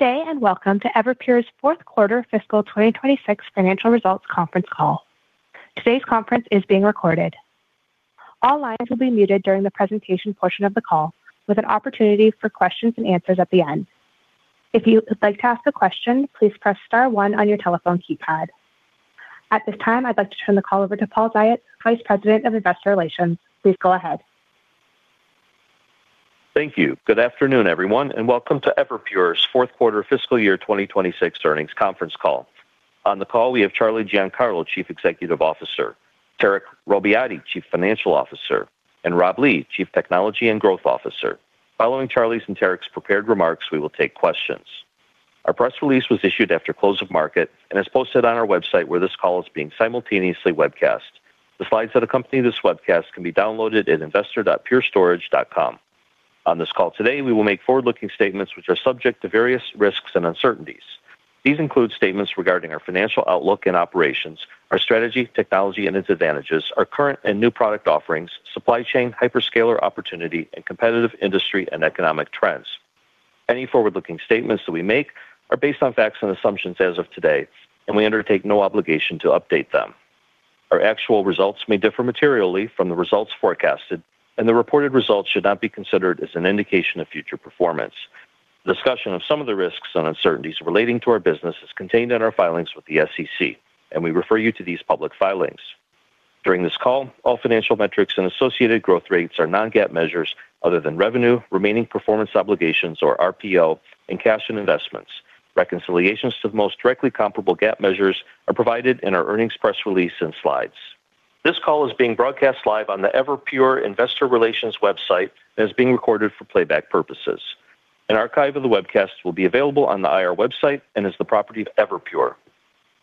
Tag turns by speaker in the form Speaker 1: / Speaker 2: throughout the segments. Speaker 1: Good day. Welcome to Everpure's Fourth Quarter fiscal 2026 financial results conference call. Today's conference is being recorded. All lines will be muted during the presentation portion of the call, with an opportunity for questions and answers at the end. If you would like to ask a question, please press star one on your telephone keypad. At this time, I'd like to turn the call over to Paul Ziots, Vice President of Investor Relations. Please go ahead.
Speaker 2: Thank you. Good afternoon, everyone, and welcome to Everpure's fourth quarter fiscal year 2026 earnings conference call. On the call, we have Charlie Giancarlo, Chief Executive Officer, Tarek Robbiati, Chief Financial Officer, and Rob Lee, Chief Technology and Growth Officer. Following Charlie's and Tarek's prepared remarks, we will take questions. Our press release was issued after close of market and is posted on our website, where this call is being simultaneously webcast. The slides that accompany this webcast can be downloaded at investor.purestorage.com. On this call today, we will make forward-looking statements which are subject to various risks and uncertainties. These include statements regarding our financial outlook and operations, our strategy, technology, and its advantages, our current and new product offerings, supply chain, hyperscaler opportunity, and competitive industry and economic trends. Any forward-looking statements that we make are based on facts and assumptions as of today, and we undertake no obligation to update them. Our actual results may differ materially from the results forecasted, and the reported results should not be considered as an indication of future performance. Discussion of some of the risks and uncertainties relating to our business is contained in our filings with the SEC, and we refer you to these public filings. During this call, all financial metrics and associated growth rates are non-GAAP measures other than revenue, remaining performance obligations or RPO, and cash and investments. Reconciliations to the most directly comparable GAAP measures are provided in our earnings press release and slides. This call is being broadcast live on the Everpure Investor Relations website and is being recorded for playback purposes. An archive of the webcast will be available on the IR website and is the property of Everpure.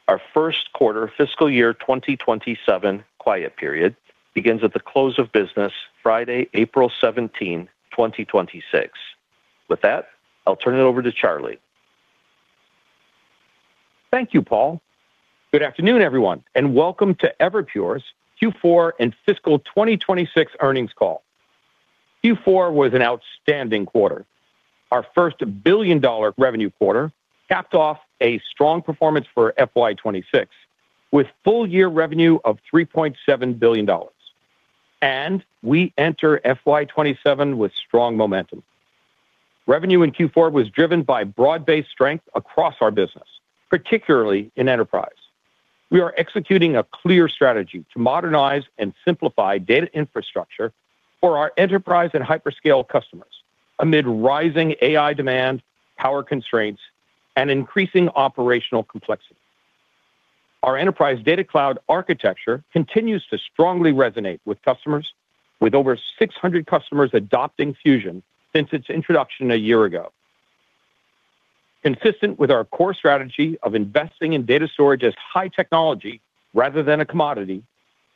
Speaker 2: Our first quarter fiscal year 2027 quiet period begins at the close of business Friday, April 17, 2026. With that, I'll turn it over to Charlie.
Speaker 3: Thank you, Paul. Good afternoon, everyone, and welcome to Everpure's Q4 and fiscal 2026 earnings call. Q4 was an outstanding quarter. Our first billion-dollar revenue quarter capped off a strong performance for FY 2026, with full-year revenue of $3.7 billion, and we enter FY 2027 with strong momentum. Revenue in Q4 was driven by broad-based strength across our business, particularly in enterprise. We are executing a clear strategy to modernize and simplify data infrastructure for our enterprise and hyperscale customers amid rising AI demand, power constraints, and increasing operational complexity. Our Enterprise Data Cloud architecture continues to strongly resonate with customers, with over 600 customers adopting Fusion since its introduction a year ago. Consistent with our core strategy of investing in data storage as high technology rather than a commodity,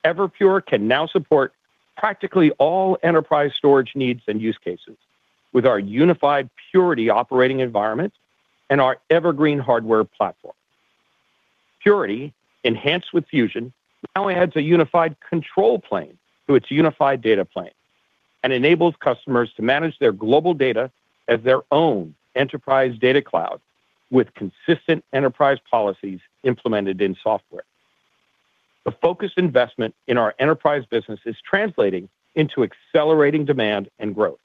Speaker 3: Everpure can now support practically all enterprise storage needs and use cases with our unified Purity operating environment and our Evergreen Hardware platform. Purity, enhanced with Fusion, now adds a unified control plane to its unified data plane and enables customers to manage their global data as their own Enterprise Data Cloud with consistent enterprise policies implemented in software. The focused investment in our enterprise business is translating into accelerating demand and growth.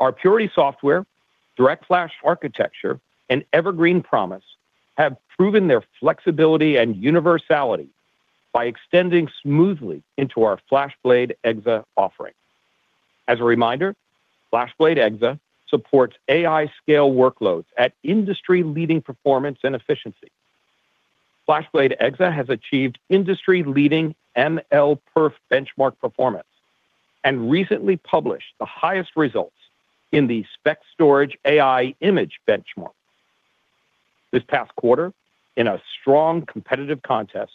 Speaker 3: Our Purity software, DirectFlash architecture, and Evergreen Promise have proven their flexibility and universality by extending smoothly into our FlashBlade//EXA offering. As a reminder, FlashBlade//EXA supports AI scale workloads at industry-leading performance and efficiency. FlashBlade//EXA has achieved industry-leading MLPerf benchmark performance and recently published the highest results in the SPECstorage AI Image Benchmark. This past quarter, in a strong competitive contest,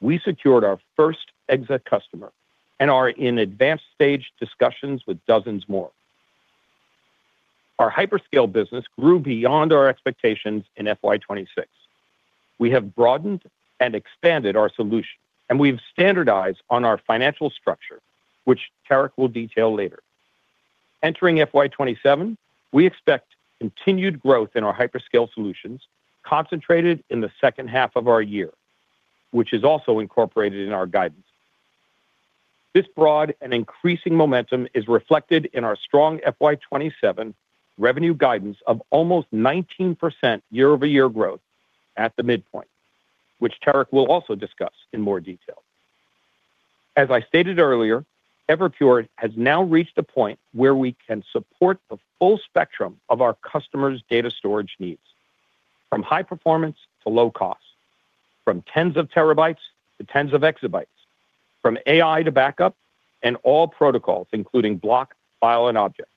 Speaker 3: we secured our first EXA customer and are in advanced stage discussions with dozens more. Our hyperscale business grew beyond our expectations in FY 2026. We have broadened and expanded our solution. We've standardized on our financial structure, which Tarek will detail later. Entering FY 2027, we expect continued growth in our hyperscale solutions, concentrated in the second half of our year, which is also incorporated in our guidance. This broad and increasing momentum is reflected in our strong FY 2027 revenue guidance of almost 19% year-over-year growth at the midpoint, which Tarek will also discuss in more detail. As I stated earlier, Everpure has now reached a point where we can support the full spectrum of our customers' data storage needs, from high performance to low cost, from tens of terabytes to tens of exabytes, from AI to backup, and all protocols, including block, file, and object.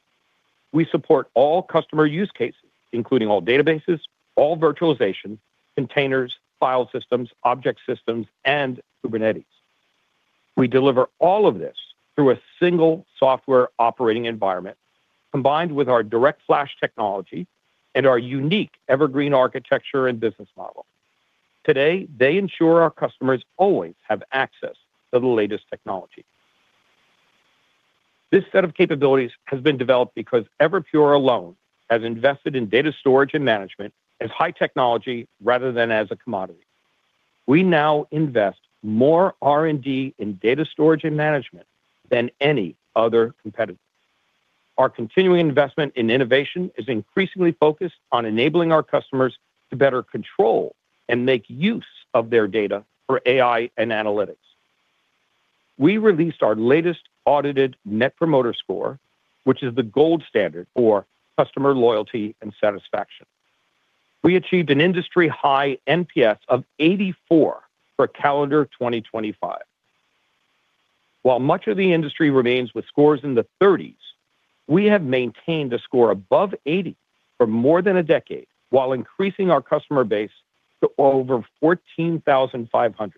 Speaker 3: We support all customer use cases, including all databases, all virtualization, containers, file systems, object systems, and Kubernetes. We deliver all of this through a single software operating environment combined with our DirectFlash technology and our unique Evergreen architecture and business model. Today, they ensure our customers always have access to the latest technology. This set of capabilities has been developed because Everpure alone has invested in data storage and management as high technology rather than as a commodity. We now invest more R&D in data storage and management than any other competitor. Our continuing investment in innovation is increasingly focused on enabling our customers to better control and make use of their data for AI and analytics. We released our latest audited Net Promoter Score, which is the gold standard for customer loyalty and satisfaction. We achieved an industry-high NPS of 84 for calendar 2025. While much of the industry remains with scores in the 30s, we have maintained a score above 80 for more than a decade, while increasing our customer base to over 14,500.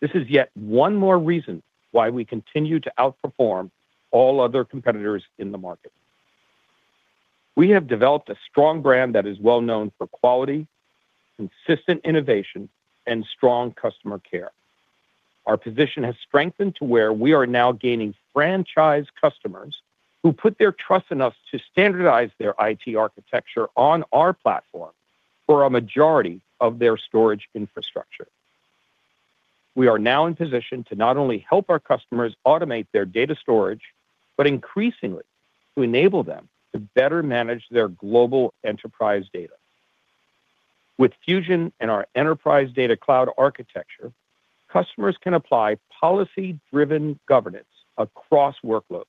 Speaker 3: This is yet one more reason why we continue to outperform all other competitors in the market. We have developed a strong brand that is well known for quality, consistent innovation, and strong customer care. Our position has strengthened to where we are now gaining franchise customers who put their trust in us to standardize their IT architecture on our platform for a majority of their storage infrastructure. We are now in position to not only help our customers automate their data storage, but increasingly to enable them to better manage their global Enterprise Data. With Fusion and our Enterprise Data Cloud architecture, customers can apply policy-driven governance across workloads,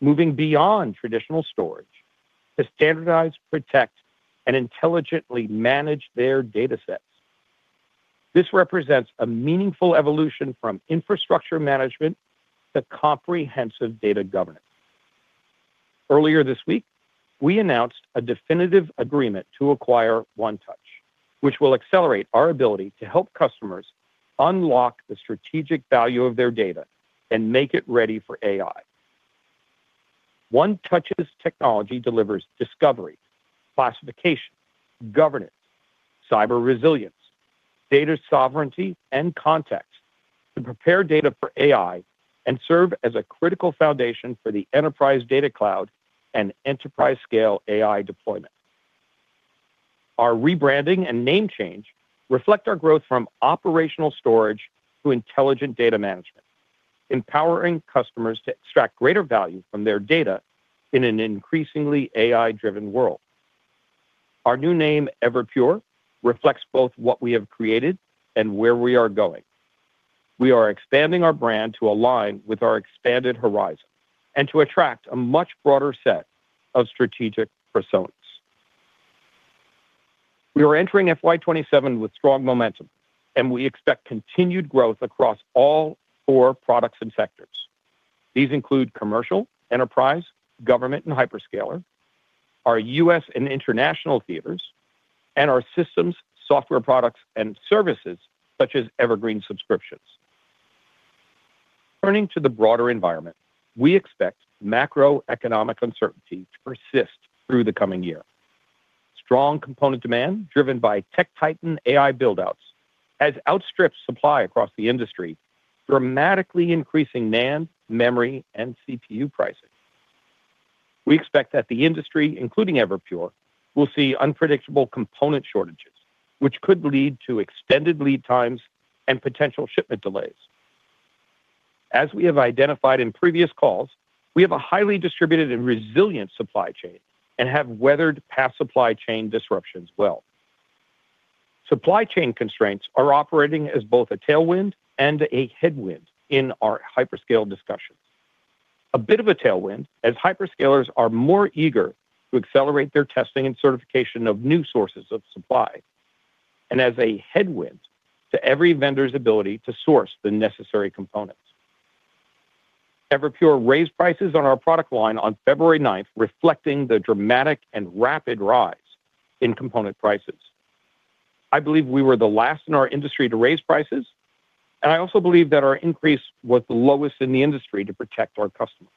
Speaker 3: moving beyond traditional storage to standardize, protect, and intelligently manage their data sets. This represents a meaningful evolution from infrastructure management to comprehensive data governance. Earlier this week, we announced a definitive agreement to acquire 1touch, which will accelerate our ability to help customers unlock the strategic value of their data and make it ready for AI. 1touch's technology delivers discovery, classification, governance, cyber resilience, data sovereignty, and context to prepare data for AI and serve as a critical foundation for the Enterprise Data Cloud and enterprise-scale AI deployment. Our rebranding and name change reflect our growth from operational storage to intelligent data management, empowering customers to extract greater value from their data in an increasingly AI-driven world. Our new name, Everpure, reflects both what we have created and where we are going. We are expanding our brand to align with our expanded horizon and to attract a much broader set of strategic personas. We are entering FY 2027 with strong momentum, and we expect continued growth across all four products and sectors. These include commercial, enterprise, government, and hyperscaler, our U.S. and international theaters, and our systems, software products, and services, such as Evergreen subscriptions. Turning to the broader environment, we expect macroeconomic uncertainty to persist through the coming year. Strong component demand, driven by tech titan AI build-outs, has outstripped supply across the industry, dramatically increasing NAND, memory, and CPU pricing. We expect that the industry, including Everpure, will see unpredictable component shortages, which could lead to extended lead times and potential shipment delays. As we have identified in previous calls, we have a highly distributed and resilient supply chain and have weathered past supply chain disruptions well. Supply chain constraints are operating as both a tailwind and a headwind in our hyperscale discussions. A bit of a tailwind, as hyperscalers are more eager to accelerate their testing and certification of new sources of supply, and as a headwind to every vendor's ability to source the necessary components. Everpure raised prices on our product line on February 9th, reflecting the dramatic and rapid rise in component prices. I believe we were the last in our industry to raise prices, I also believe that our increase was the lowest in the industry to protect our customers.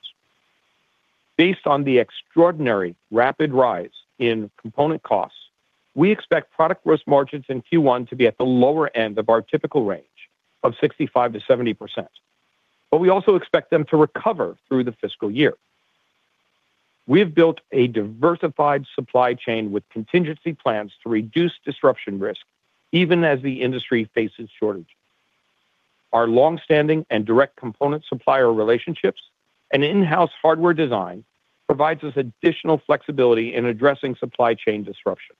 Speaker 3: Based on the extraordinary rapid rise in component costs, we expect product gross margins in Q1 to be at the lower end of our typical range of 65%-70%, we also expect them to recover through the fiscal year. We have built a diversified supply chain with contingency plans to reduce disruption risk, even as the industry faces shortages. Our long-standing and direct component supplier relationships and in-house hardware design provides us additional flexibility in addressing supply chain disruption.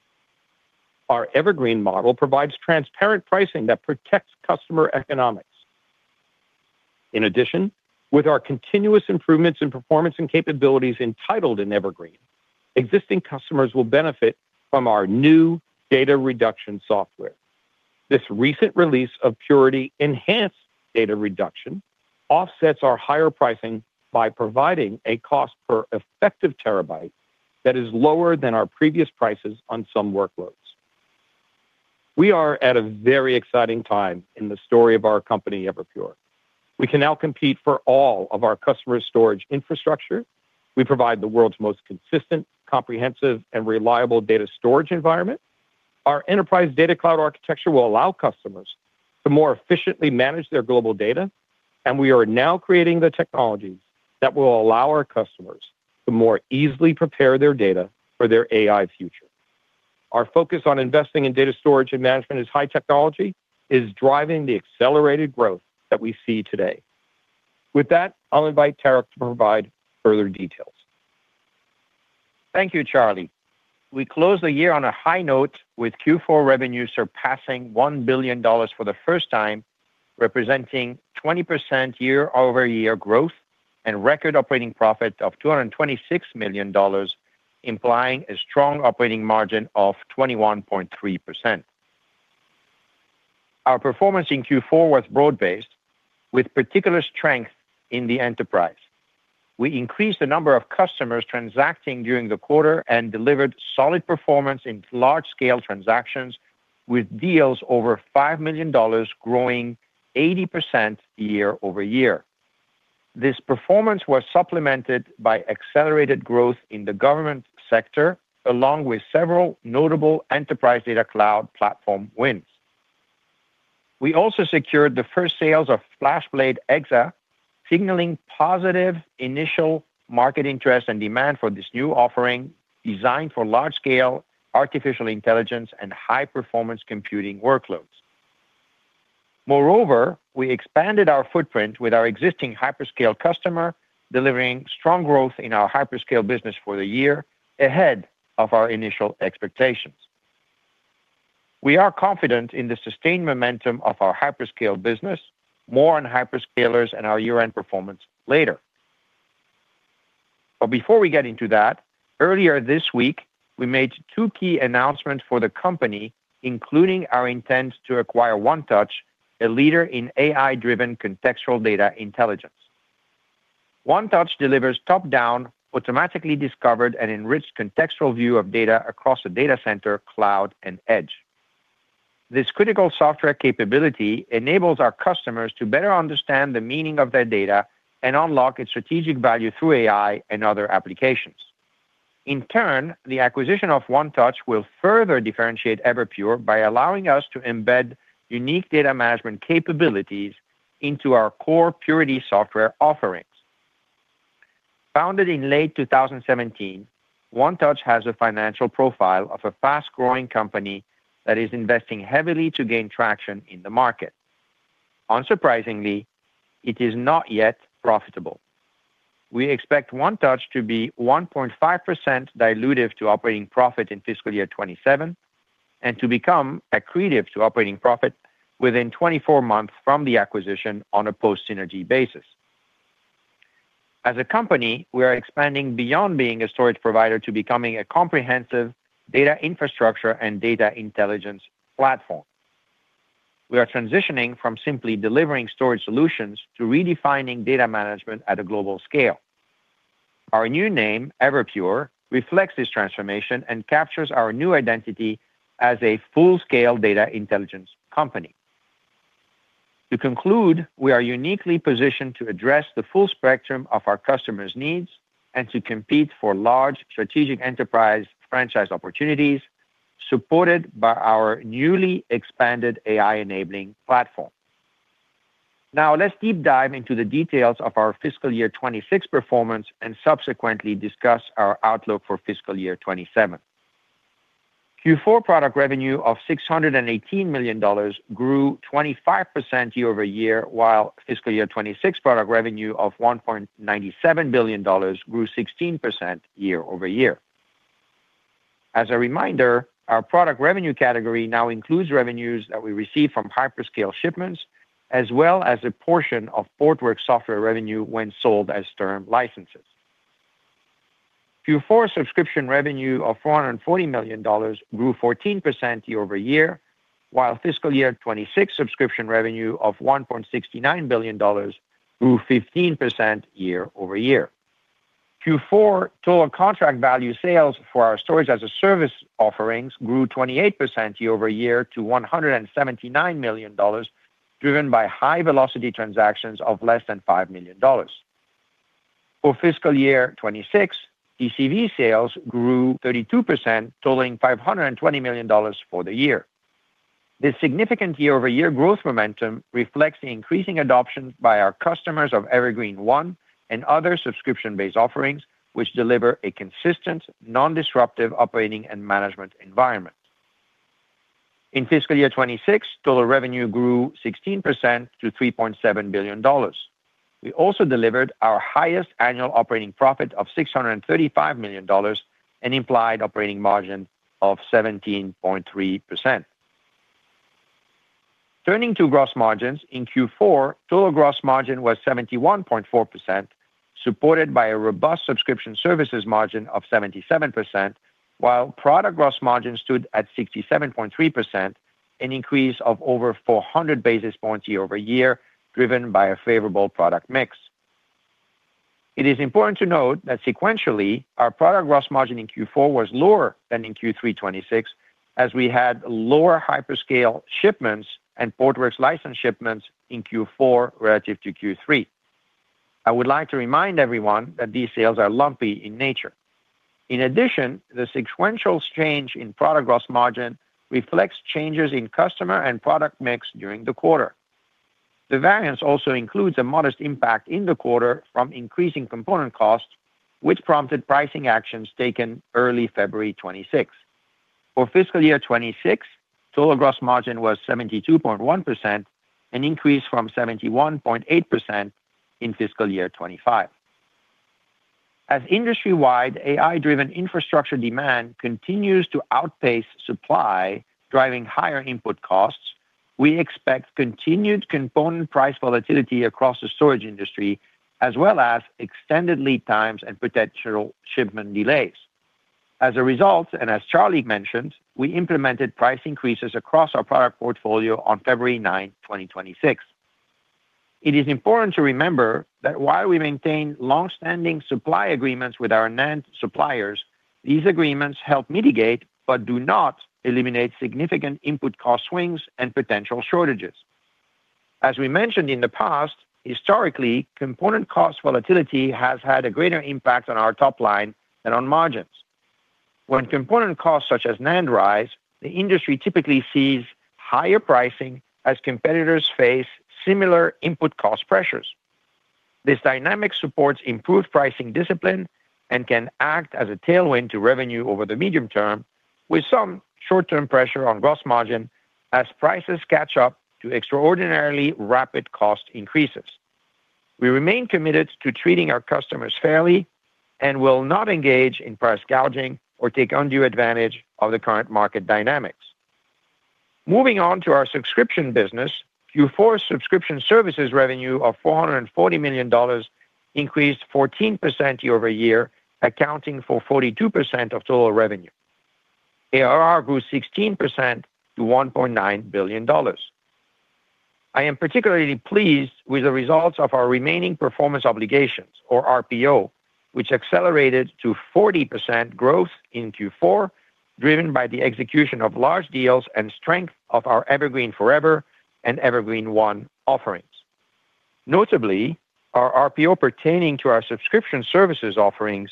Speaker 3: Our Evergreen model provides transparent pricing that protects customer economics. In addition, with our continuous improvements in performance and capabilities entitled in Evergreen, existing customers will benefit from our new data reduction software. This recent release of Purity Enhanced Data Reduction offsets our higher pricing by providing a cost per effective terabyte that is lower than our previous prices on some workloads. We are at a very exciting time in the story of our company, Everpure. We can now compete for all of our customers' storage infrastructure. We provide the world's most consistent, comprehensive, and reliable data storage environment. Our Enterprise Data Cloud architecture will allow customers to more efficiently manage their global data, and we are now creating the technologies that will allow our customers to more easily prepare their data for their AI future. Our focus on investing in data storage and management as high technology is driving the accelerated growth that we see today. With that, I'll invite Tarek to provide further details.
Speaker 4: Thank you, Charlie. We closed the year on a high note with Q4 revenue surpassing $1 billion for the first time, representing 20% year-over-year growth and record operating profit of $226 million, implying a strong operating margin of 21.3%. Our performance in Q4 was broad-based, with particular strength in the enterprise. We increased the number of customers transacting during the quarter and delivered solid performance in large-scale transactions, with deals over $5 million growing 80% year-over-year. This performance was supplemented by accelerated growth in the government sector, along with several notable Enterprise Data Cloud platform wins. We also secured the first sales of FlashBlade//EXA, signaling positive initial market interest and demand for this new offering, designed for large-scale artificial intelligence and high-performance computing workloads. We expanded our footprint with our existing hyperscale customer, delivering strong growth in our hyperscale business for the year ahead of our initial expectations. We are confident in the sustained momentum of our hyperscale business. More on hyperscalers and our year-end performance later. Before we get into that, earlier this week, we made two key announcements for the company, including our intent to acquire 1touch, a leader in AI-driven contextual data intelligence. 1touch delivers top-down, automatically discovered and enriched contextual view of data across the data center, cloud, and edge. This critical software capability enables our customers to better understand the meaning of their data and unlock its strategic value through AI and other applications. In turn, the acquisition of 1touch will further differentiate Everpure by allowing us to embed unique data management capabilities into our core Purity software offerings. Founded in late 2017, 1touch has a financial profile of a fast-growing company that is investing heavily to gain traction in the market. Unsurprisingly, it is not yet profitable. We expect 1touch to be 1.5% dilutive to operating profit in fiscal year 2027 and to become accretive to operating profit within 24 months from the acquisition on a post-synergy basis. As a company, we are expanding beyond being a storage provider to becoming a comprehensive data infrastructure and data intelligence platform. We are transitioning from simply delivering storage solutions to redefining data management at a global scale. Our new name, Everpure, reflects this transformation and captures our new identity as a full-scale data intelligence company. To conclude, we are uniquely positioned to address the full spectrum of our customers' needs and to compete for large strategic enterprise franchise opportunities, supported by our newly expanded AI-enabling platform. Let's deep dive into the details of our fiscal year 2026 performance and subsequently discuss our outlook for fiscal year 2027. Q4 product revenue of $618 million grew 25% year-over-year, while fiscal year 2026 product revenue of $1.97 billion grew 16% year-over-year. As a reminder, our product revenue category now includes revenues that we receive from hyperscale shipments, as well as a portion of Portworx software revenue when sold as term licenses. Q4 subscription revenue of $440 million grew 14% year-over-year, while fiscal year 2026 subscription revenue of $1.69 billion grew 15% year-over-year. Q4 total contract value sales for our storage-as-a-service offerings grew 28% year-over-year to $179 million, driven by high-velocity transactions of less than $5 million. For fiscal year 2026, TCV sales grew 32%, totaling $520 million for the year. This significant year-over-year growth momentum reflects the increasing adoption by our customers of Evergreen//One and other subscription-based offerings, which deliver a consistent, non-disruptive operating and management environment. In fiscal year 2026, total revenue grew 16% to $3.7 billion. We also delivered our highest annual operating profit of $635 million and implied operating margin of 17.3%. Turning to gross margins, in Q4, total gross margin was 71.4%, supported by a robust subscription services margin of 77%, while product gross margin stood at 67.3%, an increase of over 400 basis points year-over-year, driven by a favorable product mix. It is important to note that sequentially, our product gross margin in Q4 was lower than in Q3 2026, as we had lower hyperscale shipments and Portworx license shipments in Q4 relative to Q3. I would like to remind everyone that these sales are lumpy in nature. In addition, the sequential change in product gross margin reflects changes in customer and product mix during the quarter. The variance also includes a modest impact in the quarter from increasing component costs, which prompted pricing actions taken early February 2026. For fiscal year 2026, total gross margin was 72.1%, an increase from 71.8% in fiscal year 2025. As industry-wide AI-driven infrastructure demand continues to outpace supply, driving higher input costs, we expect continued component price volatility across the storage industry, as well as extended lead times and potential shipment delays. As a result, and as Charlie mentioned, we implemented price increases across our product portfolio on February 9, 2026. It is important to remember that while we maintain long-standing supply agreements with our NAND suppliers, these agreements help mitigate but do not eliminate significant input cost swings and potential shortages. As we mentioned in the past, historically, component cost volatility has had a greater impact on our top line than on margins. When component costs, such as NAND, rise, the industry typically sees higher pricing as competitors face similar input cost pressures. This dynamic supports improved pricing discipline and can act as a tailwind to revenue over the medium term, with some short-term pressure on gross margin as prices catch up to extraordinarily rapid cost increases. We remain committed to treating our customers fairly and will not engage in price gouging or take undue advantage of the current market dynamics. Moving on to our subscription business, Q4 subscription services revenue of $440 million increased 14% year-over-year, accounting for 42% of total revenue. ARR grew 16% to $1.9 billion. I am particularly pleased with the results of our remaining performance obligations, or RPO, which accelerated to 40% growth in Q4, driven by the execution of large deals and strength of our Evergreen//Forever and Evergreen//One offerings. Notably, our RPO pertaining to our subscription services offerings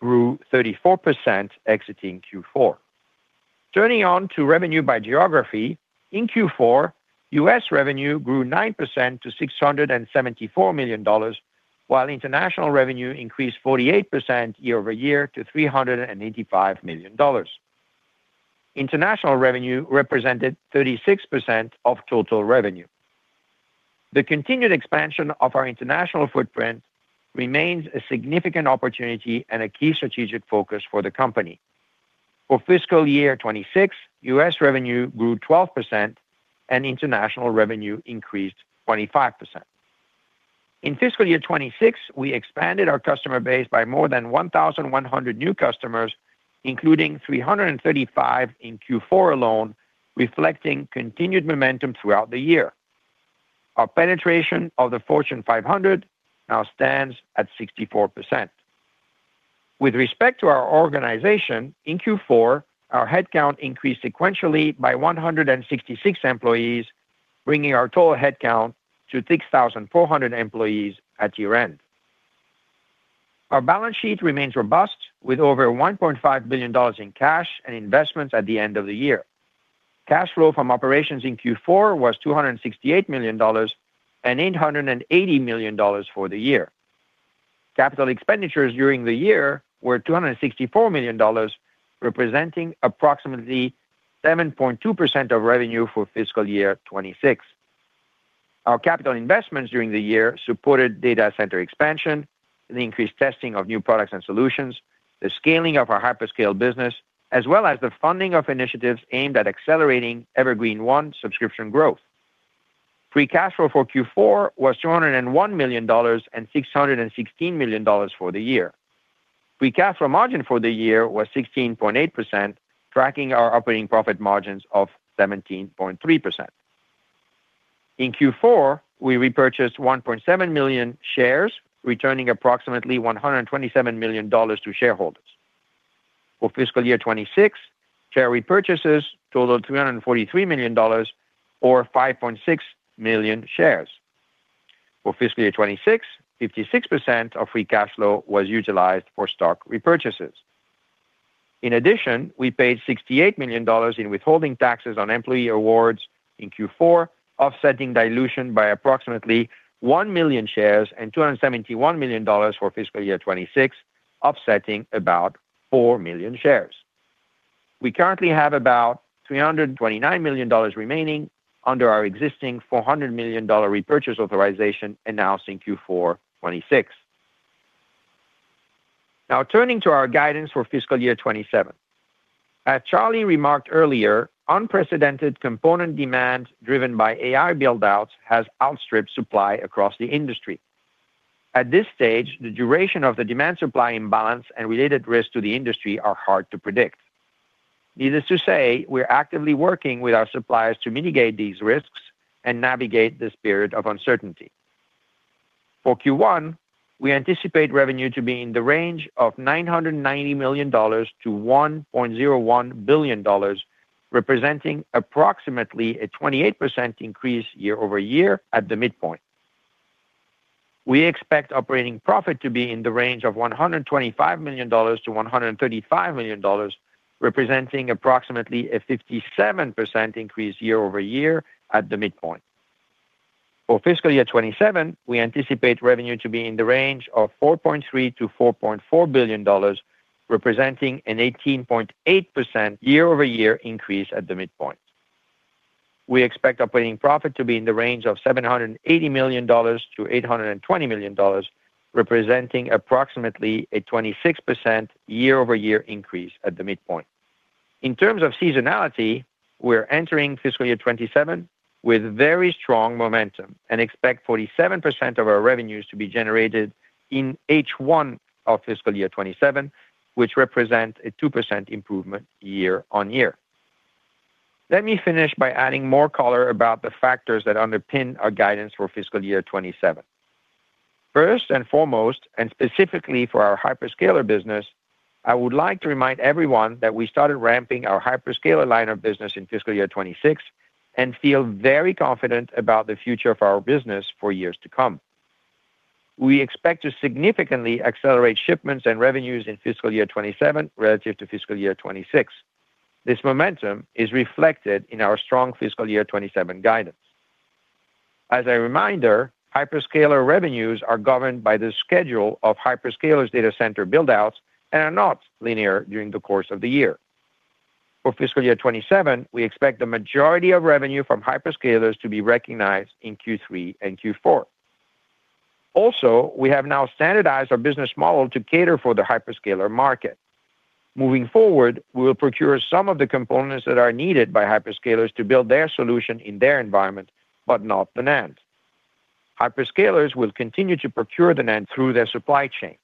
Speaker 4: grew 34%, exiting Q4. Turning on to revenue by geography, in Q4, U.S. revenue grew 9% to $674 million, while international revenue increased 48% year-over-year to $385 million. International revenue represented 36% of total revenue. The continued expansion of our international footprint remains a significant opportunity and a key strategic focus for the company. For fiscal year 2026, U.S. revenue grew 12%, international revenue increased 25%. In fiscal year 2026, we expanded our customer base by more than 1,100 new customers, including 335 in Q4 alone, reflecting continued momentum throughout the year. Our penetration of the Fortune 500 now stands at 64%. With respect to our organization, in Q4, our headcount increased sequentially by 166 employees, bringing our total headcount to 6,400 employees at year-end. Our balance sheet remains robust, with over $1.5 billion in cash and investments at the end of the year. Cash flow from operations in Q4 was $268 million and $880 million for the year. Capital expenditures during the year were $264 million, representing approximately 7.2% of revenue for fiscal year 2026. Our capital investments during the year supported data center expansion, the increased testing of new products and solutions, the scaling of our hyperscale business, as well as the funding of initiatives aimed at accelerating Evergreen//One subscription growth. Free cash flow for Q4 was $201 million and $616 million for the year. Free Cash Flow margin for the year was 16.8%, tracking our operating profit margins of 17.3%. In Q4, we repurchased 1.7 million shares, returning approximately $127 million to shareholders. For fiscal year 2026, share repurchases totaled $343 million, or 5.6 million shares. For fiscal year 2026, 56% of free cash flow was utilized for stock repurchases. In addition, we paid $68 million in withholding taxes on employee awards in Q4, offsetting dilution by approximately 1 million shares and $271 million for fiscal year 2026, offsetting about 4 million shares. We currently have about $329 million remaining under our existing $400 million repurchase authorization announced in Q4 2026. Turning to our guidance for fiscal year 2027. As Charlie remarked earlier, unprecedented component demand driven by AI build-outs has outstripped supply across the industry. At this stage, the duration of the demand-supply imbalance and related risks to the industry are hard to predict. Needless to say, we're actively working with our suppliers to mitigate these risks and navigate this period of uncertainty. For Q1, we anticipate revenue to be in the range of $990 million-$1.01 billion, representing approximately a 28% increase year-over-year at the midpoint. We expect operating profit to be in the range of $125 million-$135 million, representing approximately a 57% increase year-over-year at the midpoint. For fiscal year 2027, we anticipate revenue to be in the range of $4.3 billion-$4.4 billion, representing an 18.8% year-over-year increase at the midpoint. We expect operating profit to be in the range of $780 million-$820 million, representing approximately a 26% year-over-year increase at the midpoint. In terms of seasonality, we're entering fiscal year 2027 with very strong momentum and expect 47% of our revenues to be generated in H1 of fiscal year 2027, which represent a 2% improvement year-on-year. Let me finish by adding more color about the factors that underpin our guidance for fiscal year 2027. First and foremost, and specifically for our hyperscaler business, I would like to remind everyone that we started ramping our hyperscaler line of business in fiscal year 2026 and feel very confident about the future of our business for years to come. We expect to significantly accelerate shipments and revenues in fiscal year 2027 relative to fiscal year 2026. This momentum is reflected in our strong fiscal year 2027 guidance. As a reminder, hyperscaler revenues are governed by the schedule of hyperscalers' data center build-outs and are not linear during the course of the year. For fiscal year 2027, we expect the majority of revenue from hyperscalers to be recognized in Q3 and Q4. Also, we have now standardized our business model to cater for the hyperscaler market. Moving forward, we will procure some of the components that are needed by hyperscalers to build their solution in their environment, but not the NAND. Hyperscalers will continue to procure the NAND through their supply chain.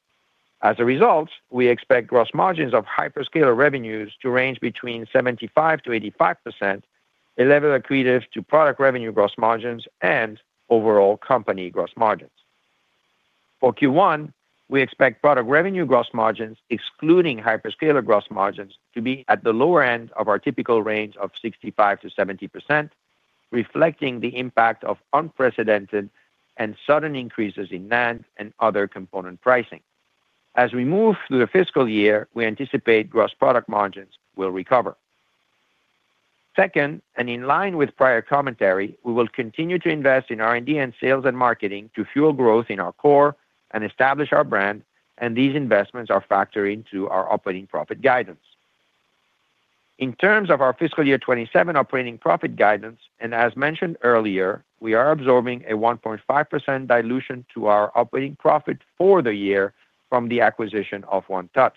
Speaker 4: As a result, we expect gross margins of hyperscaler revenues to range between 75%-85%, a level accretive to product revenue gross margins and overall company gross margins. For Q1, we expect product revenue gross margins, excluding hyperscaler gross margins, to be at the lower end of our typical range of 65%-70%, reflecting the impact of unprecedented and sudden increases in NAND and other component pricing. As we move through the fiscal year, we anticipate gross product margins will recover. Second, in line with prior commentary, we will continue to invest in R&D and sales and marketing to fuel growth in our core and establish our brand, and these investments are factored into our operating profit guidance. In terms of our fiscal year 2027 operating profit guidance, and as mentioned earlier, we are absorbing a 1.5% dilution to our operating profit for the year from the acquisition of 1touch.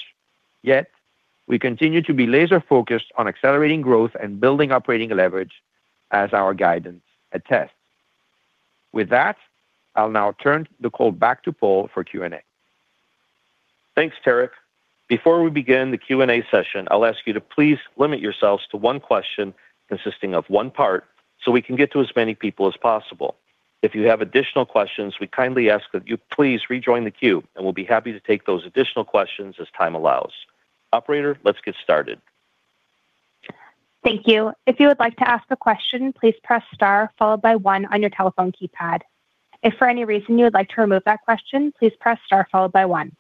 Speaker 4: We continue to be laser-focused on accelerating growth and building operating leverage as our guidance attests. With that, I'll now turn the call back to Paul for Q&A.
Speaker 2: Thanks, Tarek. Before we begin the Q&A session, I'll ask you to please limit yourselves to one question consisting of one part, so we can get to as many people as possible. If you have additional questions, we kindly ask that you please rejoin the queue, and we'll be happy to take those additional questions as time allows. Operator, let's get started.
Speaker 1: Thank you. If you would like to ask a question, please press star followed by one on your telephone keypad. If for any reason you would like to remove that question, please press star followed by one.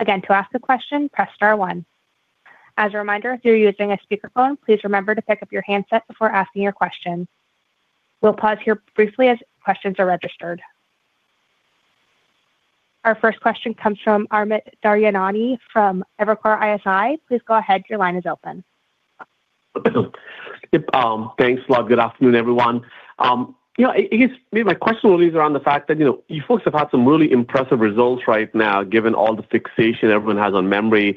Speaker 1: Again, to ask a question, press star one. As a reminder, if you're using a speakerphone, please remember to pick up your handset before asking your question. We'll pause here briefly as questions are registered. Our first question comes from Amit Daryanani from Evercore ISI. Please go ahead. Your line is open.
Speaker 5: Thanks a lot. Good afternoon, everyone. You know, I guess maybe my question will be around the fact that, you know, you folks have had some really impressive results right now, given all the fixation everyone has on memory.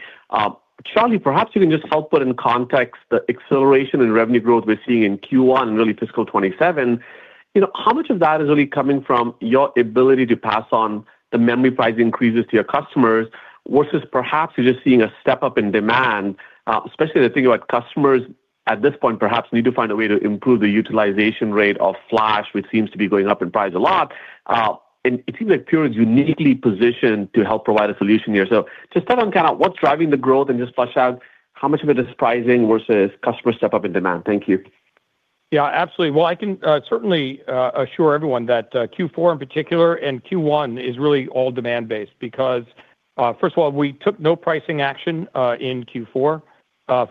Speaker 5: Charlie, perhaps you can just help put in context the acceleration in revenue growth we're seeing in Q1 and really fiscal 2027. You know, how much of that is really coming from your ability to pass on the memory price increases to your customers versus perhaps you're just seeing a step-up in demand? Especially the thing about customers at this point, perhaps need to find a way to improve the utilization rate of flash, which seems to be going up in price a lot. It seems like Everpure is uniquely positioned to help provide a solution here. Just tell on kind of what's driving the growth and just flush out how much of it is pricing versus customer step-up in demand? Thank you.
Speaker 3: Yeah, absolutely. Well, I can certainly assure everyone that Q4 in particular, and Q1 is really all demand-based, because first of all, we took no pricing action in Q4.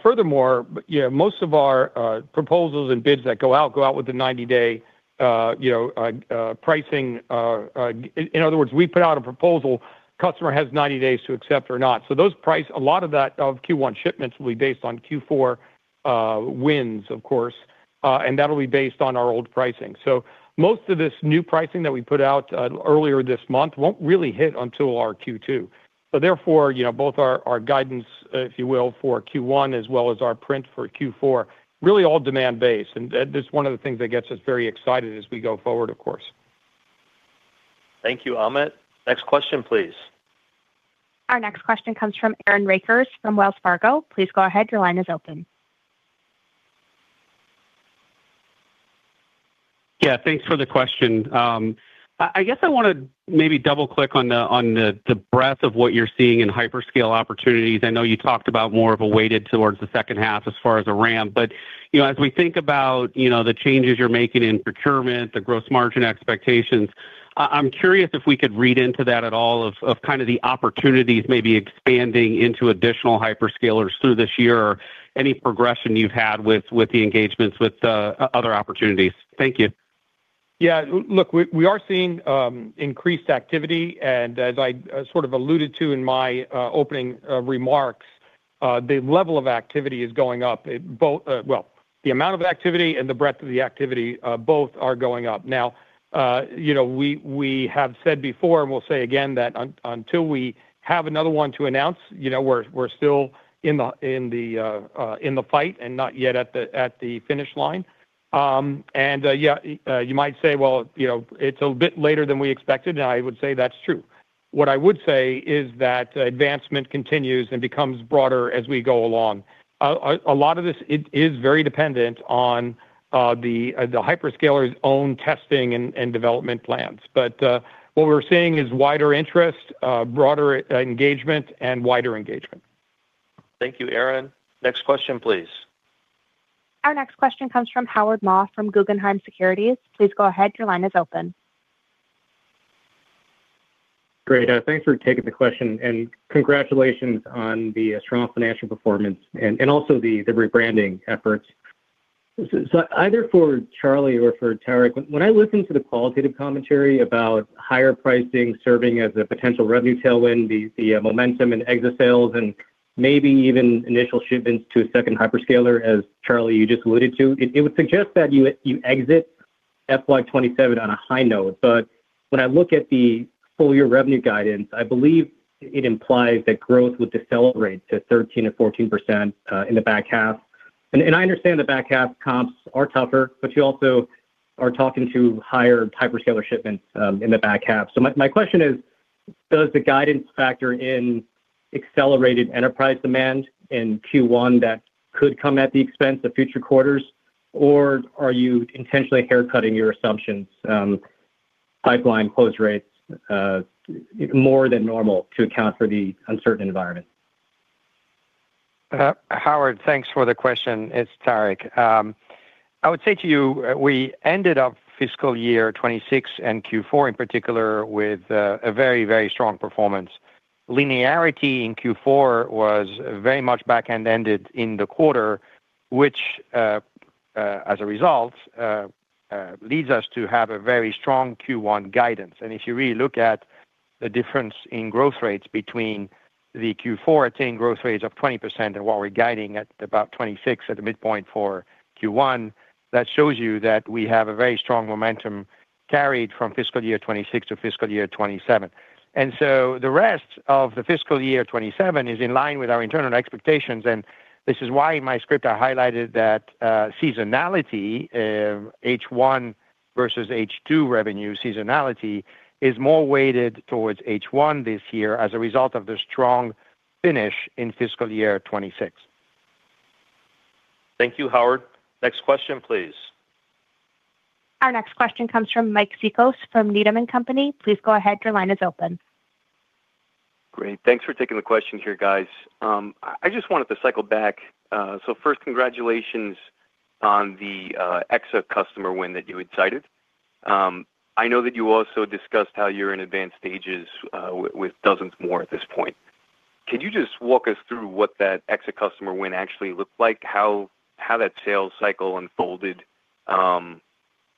Speaker 3: Furthermore, most of our proposals and bids that go out, go out with a 90-day, you know, pricing. In other words, we put out a proposal, customer has 90 days to accept or not. A lot of that of Q1 shipments will be based on Q4 wins, of course, and that'll be based on our old pricing. Most of this new pricing that we put out earlier this month won't really hit until our Q2. Therefore, you know, both our guidance, if you will, for Q1, as well as our print for Q4, really all demand-based, and that's one of the things that gets us very excited as we go forward, of course.
Speaker 2: Thank you, Amit. Next question, please.
Speaker 1: Our next question comes from Aaron Rakers from Wells Fargo. Please go ahead, your line is open.
Speaker 6: Yeah, thanks for the question. I guess I want to maybe double-click on the breadth of what you're seeing in hyperscale opportunities. I know you talked about more of a weighted towards the second half as far as a ramp, but, you know, as we think about, you know, the changes you're making in procurement, the gross margin expectations, I'm curious if we could read into that at all of kind of the opportunities maybe expanding into additional hyperscalers through this year or any progression you've had with the engagements with the other opportunities. Thank you.
Speaker 3: Yeah, look, we are seeing increased activity, and as I sort of alluded to in my opening remarks, the level of activity is going up. It both, well, the amount of activity and the breadth of the activity, both are going up. Now, you know, we have said before and we'll say again that until we have another one to announce, you know, we're still in the fight and not yet at the finish line. Yeah, you might say, "Well, you know, it's a bit later than we expected," and I would say that's true. What I would say is that advancement continues and becomes broader as we go along. A lot of this is very dependent on the hyperscaler's own testing and development plans. What we're seeing is wider interest, broader engagement, and wider engagement.
Speaker 2: Thank you, Aaron. Next question, please.
Speaker 1: Our next question comes from Howard Ma from Guggenheim Securities. Please go ahead, your line is open.
Speaker 7: Great. Thanks for taking the question, and congratulations on the strong financial performance and also the rebranding efforts. Either for Charlie or for Tarek, when I listen to the qualitative commentary about higher pricing serving as a potential revenue tailwind, the momentum in EXA sales and maybe even initial shipments to a second hyperscaler, as Charlie, you just alluded to, it would suggest that you exit FY 2027 on a high note. When I look at the full year revenue guidance, I believe it implies that growth would decelerate to 13% or 14% in the back half. I understand the back half comps are tougher, but you also are talking to higher hyperscaler shipments in the back half. My question is: Does the guidance factor in accelerated enterprise demand in Q1 that could come at the expense of future quarters, or are you intentionally haircutting your assumptions, pipeline close rates, more than normal to account for the uncertain environment?
Speaker 4: Howard, thanks for the question. It's Tarek. I would say to you, we ended up fiscal year 2026 and Q4 in particular, with a very strong performance. Linearity in Q4 was very much back-end ended in the quarter, which, as a result, leads us to have a very strong Q1 guidance. If you really look at the difference in growth rates between the Q14 growth rates of 20% and what we're guiding at about 26 at the midpoint for Q1, that shows you that we have a very strong momentum carried from fiscal year 2026 to fiscal year 2027. The rest of the fiscal year 2027 is in line with our internal expectations, and this is why in my script I highlighted that seasonality, H1 versus H2 revenue seasonality is more weighted towards H1 this year as a result of the strong finish in fiscal year 2026.
Speaker 2: Thank you, Howard. Next question, please.
Speaker 1: Our next question comes from Mike Cikos from Needham & Company. Please go ahead, your line is open.
Speaker 8: Great. Thanks for taking the question here, guys. I just wanted to cycle back. First, congratulations on the EXA customer win that you had cited. I know that you also discussed how you're in advanced stages with dozens more at this point. Could you just walk us through what that EXA customer win actually looked like? How that sales cycle unfolded,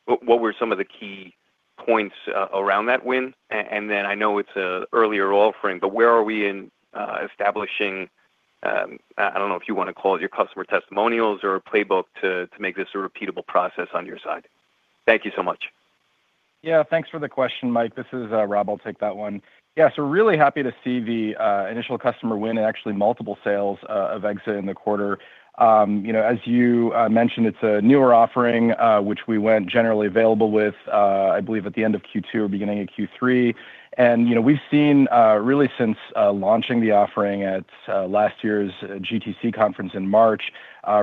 Speaker 8: what were some of the key points around that win? Then I know it's a earlier offering, but where are we in establishing, I don't know if you want to call it your customer testimonials or a playbook to make this a repeatable process on your side? Thank you so much.
Speaker 9: Yeah, thanks for the question, Mike. This is Rob, I'll take that one. We're really happy to see the initial customer win and actually multiple sales of Exa in the quarter. You know, as you mentioned, it's a newer offering, which we went generally available with, I believe, at the end of Q2 or beginning of Q3. You know, we've seen really since launching the offering at last year's GTC conference in March,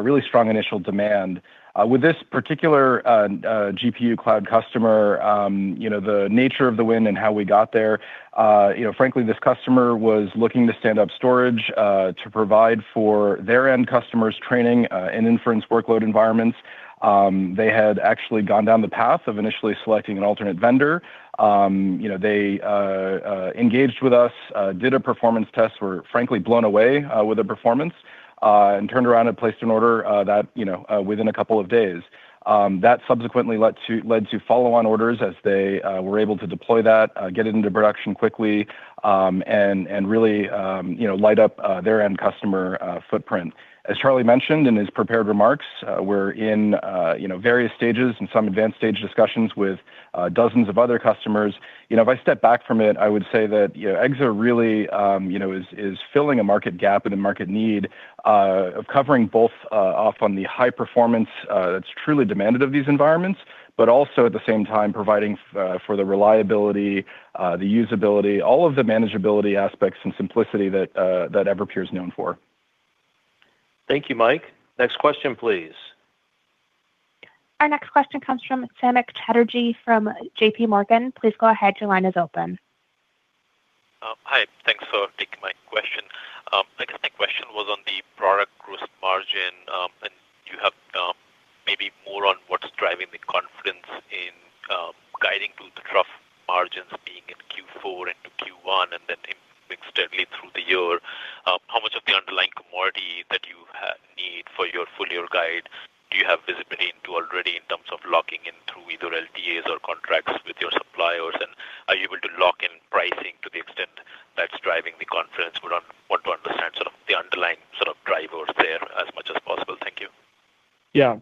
Speaker 9: really strong initial demand. With this particular GPU cloud customer, you know, the nature of the win and how we got there, you know, frankly, this customer was looking to stand up storage to provide for their end customers' training and inference workload environments. They had actually gone down the path of initially selecting an alternate vendor. You know, they engaged with us, did a performance test, were frankly blown away with the performance, and turned around and placed an order that, you know, within a couple of days. That subsequently led to follow-on orders as they were able to deploy that, get it into production quickly, and really, you know, light up their end customer footprint. As Charlie mentioned in his prepared remarks, we're in, you know, various stages and some advanced stage discussions with dozens of other customers. You know, if I step back from it, I would say that, you know, EXA really, you know, is filling a market gap and a market need, of covering both, off on the high performance, that's truly demanded of these environments, but also at the same time providing for the reliability, the usability, all of the manageability aspects and simplicity that Everpure is known for.
Speaker 2: Thank you, Mike. Next question, please.
Speaker 1: Our next question comes from Samik Chatterjee from JPMorgan. Please go ahead. Your line is open.
Speaker 10: Hi. Thanks for taking my question. My next question was on the product gross margin, do you have maybe more on what's driving the confidence in guiding through the trough margins being in Q4 into Q1 and then extending through the year? How much of the underlying commodity that you need for your full year guide, do you have visibility into already in terms of locking in through either LTAs or contracts with your suppliers? Are you able to lock in pricing to the extent that's driving the confidence? We don't want to understand sort of the underlying sort of drivers there as much as possible. Thank you.
Speaker 3: Yeah,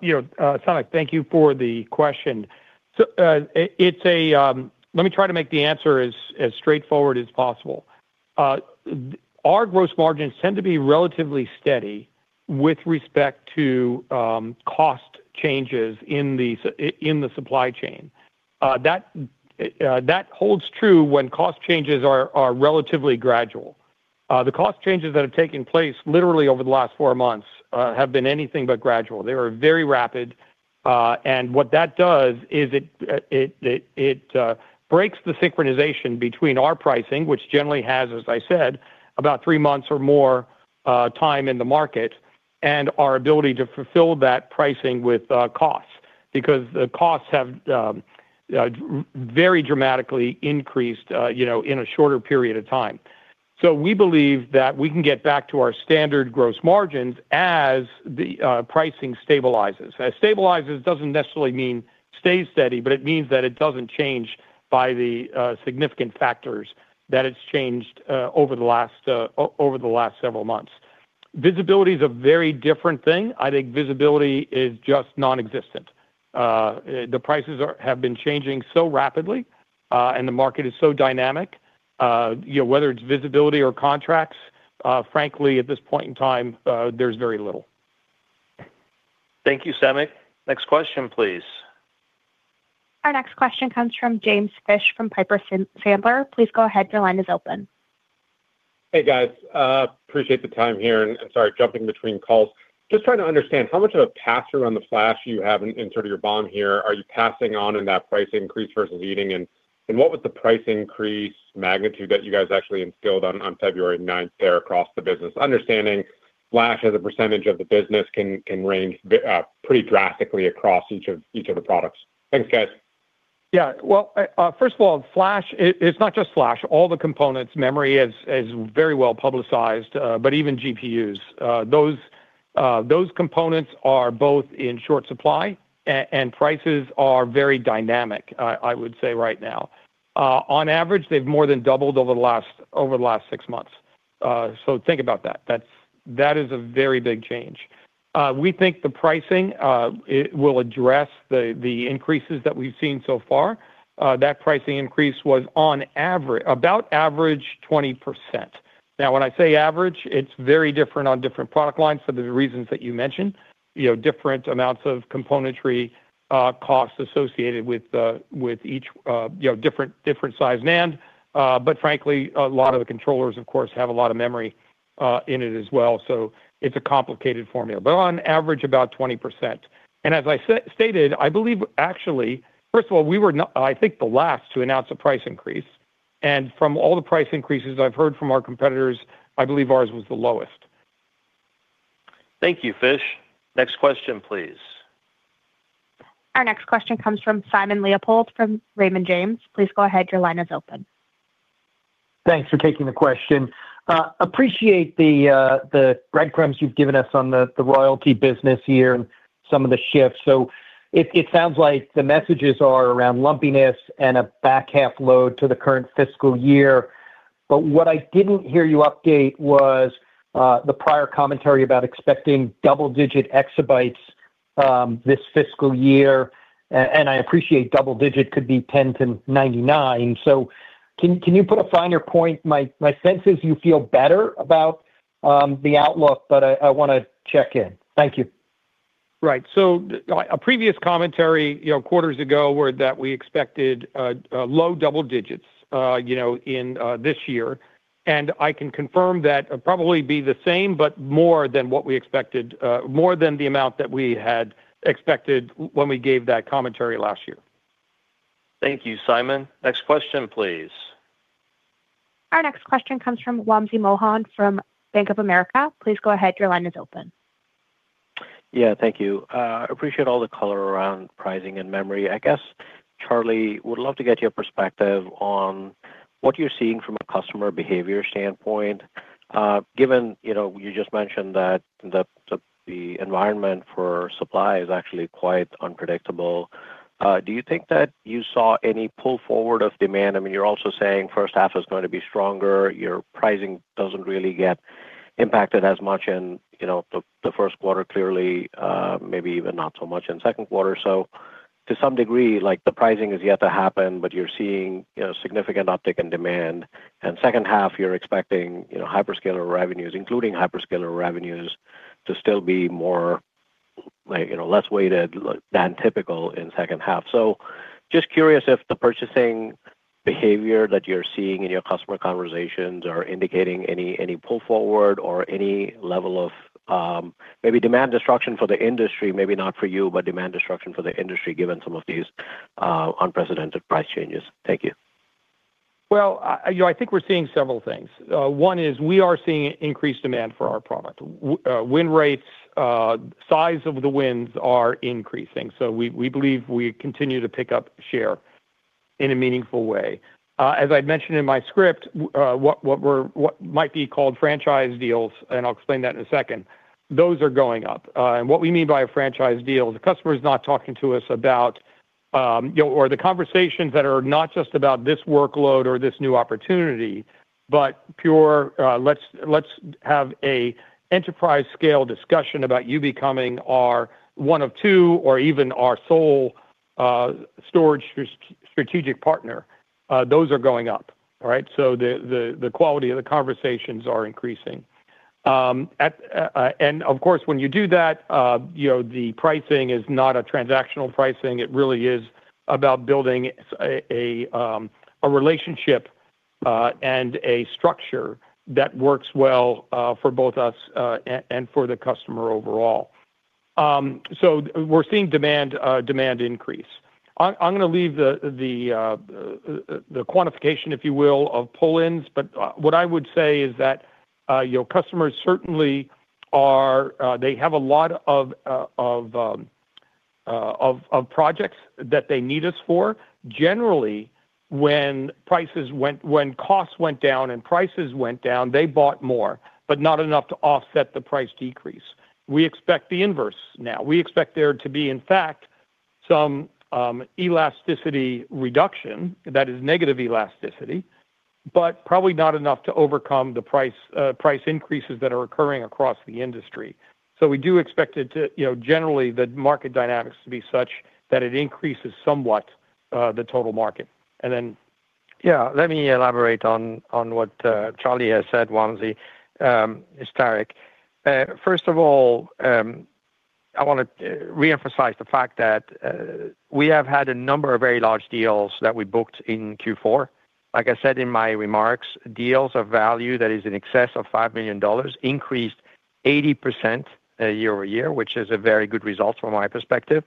Speaker 3: you know, Samik, thank you for the question. Let me try to make the answer as straightforward as possible. Our gross margins tend to be relatively steady with respect to cost changes in the supply chain. That holds true when cost changes are relatively gradual. The cost changes that have taken place literally over the last four months have been anything but gradual. They were very rapid, and what that does is it breaks the synchronization between our pricing, which generally has, as I said, about three months or more time in the market, and our ability to fulfill that pricing with costs. Because the costs have very dramatically increased, you know, in a shorter period of time. We believe that we can get back to our standard gross margins as the pricing stabilizes. Stabilizes doesn't necessarily mean stay steady, but it means that it doesn't change by the significant factors that it's changed over the last several months. Visibility is a very different thing. I think visibility is just nonexistent. The prices are, have been changing so rapidly, and the market is so dynamic, you know, whether it's visibility or contracts, frankly, at this point in time, there's very little.
Speaker 2: Thank you, Samik. Next question, please.
Speaker 1: Our next question comes from James Fish from Piper Sandler. Please go ahead. Your line is open.
Speaker 11: Hey, guys. Appreciate the time here. Sorry, jumping between calls. Just trying to understand, how much of a pass-through on the flash you have in sort of your bond here, are you passing on in that price increase versus eating in? What was the price increase magnitude that you guys actually instilled on February ninth there across the business? Understanding flash as a percentage of the business can range pretty drastically across each of the products. Thanks, guys.
Speaker 3: Well, first of all, flash, it's not just flash. All the components, memory is very well-publicized, but even GPUs. Those components are both in short supply and prices are very dynamic, I would say right now. On average, they've more than doubled over the last six months. Think about that. That is a very big change. We think the pricing, it will address the increases that we've seen so far. That pricing increase was on average, about average 20%. Now, when I say average, it's very different on different product lines for the reasons that you mentioned, you know, different amounts of componentry, costs associated with each, you know, different size NAND. Frankly, a lot of the controllers, of course, have a lot of memory, in it as well, so it's a complicated formula. On average, about 20%. As I said, stated, I believe actually, first of all, we were not, I think, the last to announce a price increase, and from all the price increases I've heard from our competitors, I believe ours was the lowest.
Speaker 2: Thank you, Fish. Next question, please.
Speaker 1: Our next question comes from Simon Leopold from Raymond James. Please go ahead. Your line is open.
Speaker 12: Thanks for taking the question. appreciate the breadcrumbs you've given us on the royalty business here and some of the shifts. It sounds like the messages are around lumpiness and a back half load to the current fiscal year. What I didn't hear you update was the prior commentary about expecting double-digit exabytes this fiscal year, and I appreciate double digit could be 10 to 99. Can you put a finer point? My sense is you feel better about the outlook, but I want to check in. Thank you.
Speaker 3: Right. A previous commentary, you know, quarters ago, were that we expected, low double digits, you know, in this year. I can confirm that it'd probably be the same, but more than what we expected, more than the amount that we had expected when we gave that commentary last year.
Speaker 2: Thank you, Simon. Next question, please.
Speaker 1: Our next question comes from Wamsi Mohan from Bank of America. Please go ahead. Your line is open.
Speaker 13: Yeah, thank you. Appreciate all the color around pricing and memory. I guess, Charlie, would love to get your perspective on what you're seeing from a customer behavior standpoint, given, you know, you just mentioned that the environment for supply is actually quite unpredictable. Do you think that you saw any pull forward of demand? I mean, you're also saying 1st half is going to be stronger, your pricing doesn't really get impacted as much in, you know, the 1st quarter, clearly, maybe even not so much in second quarter. To some degree, like, the pricing is yet to happen, but you're seeing, you know, significant uptick in demand. Second half, you're expecting, you know, hyperscaler revenues to still be more, like, you know, less weighted than typical in second half. Just curious if the purchasing behavior that you're seeing in your customer conversations are indicating any pull forward or any level of demand destruction for the industry, maybe not for you, but demand destruction for the industry, given some of these unprecedented price changes. Thank you.
Speaker 3: Well, I, you know, I think we're seeing several things. One is we are seeing increased demand for our product. Win rates, size of the wins are increasing, we believe we continue to pick up share in a meaningful way. As I mentioned in my script, what might be called franchise deals, and I'll explain that in 1-second, those are going up. What we mean by a franchise deal, the customer is not talking to us about, you know, or the conversations that are not just about this workload or this new opportunity, but Pure, let's have a enterprise scale discussion about you becoming our one of two or even our sole strategic partner, those are going up, all right? The quality of the conversations are increasing. Of course, when you do that, you know, the pricing is not a transactional pricing. It really is about building a relationship and a structure that works well for both us and for the customer overall. We're seeing demand increase. I'm gonna leave the quantification, if you will, of pull-ins. What I would say is that your customers certainly are, they have a lot of projects that they need us for. Generally, when costs went down and prices went down, they bought more, but not enough to offset the price decrease. We expect the inverse now. We expect there to be, in fact, some elasticity reduction, that is negative elasticity, but probably not enough to overcome the price price increases that are occurring across the industry. We do expect it to, you know, generally, the market dynamics to be such that it increases somewhat the total market.
Speaker 4: Yeah, let me elaborate on what Charlie has said, Wamsi, Tarek. First of all, I wanna reemphasize the fact that we have had a number of very large deals that we booked in Q4. Like I said in my remarks, deals of value that is in excess of $5 million increased 80% year-over-year, which is a very good result from my perspective.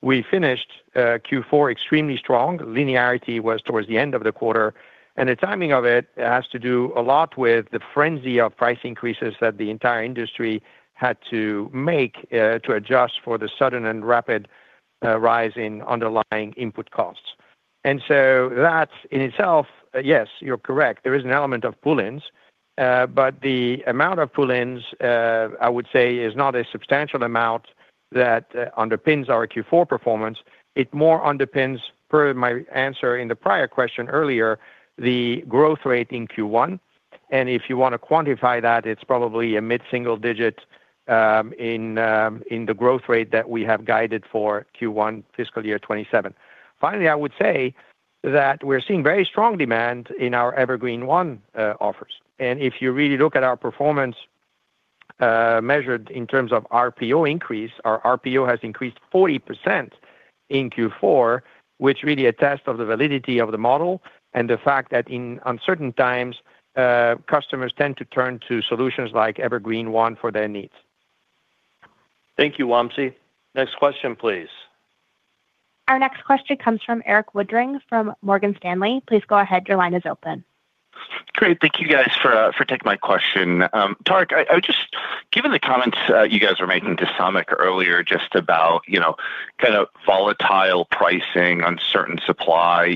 Speaker 4: We finished Q4 extremely strong. Linearity was towards the end of the quarter, and the timing of it has to do a lot with the frenzy of price increases that the entire industry had to make to adjust for the sudden and rapid rise in underlying input costs. That in itself, yes, you're correct, there is an element of pull-ins, but the amount of pull-ins, I would say, is not a substantial amount that underpins our Q4 performance. It more underpins, per my answer in the prior question earlier, the growth rate in Q1. If you want to quantify that, it's probably a mid-single digit in the growth rate that we have guided for Q1, fiscal year 2027. Finally, I would say that we're seeing very strong demand in our Evergreen//One offers. If you really look at our performance, measured in terms of RPO increase, our RPO has increased 40% in Q4, which really a test of the validity of the model and the fact that in uncertain times, customers tend to turn to solutions like Evergreen//One for their needs.
Speaker 2: Thank you, Wamsi. Next question, please.
Speaker 1: Our next question comes from Erik Woodring from Morgan Stanley. Please go ahead. Your line is open.
Speaker 14: Great. Thank you guys for taking my question. Tarek, given the comments, you guys were making to Samik earlier, just about, you know, kind of volatile pricing, uncertain supply,